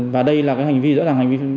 và đây là cái hành vi rõ ràng hành vi